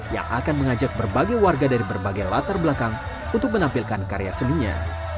yang akan mengajak berbagai warga dari berbagai latar belakang untuk menampilkan karya seninya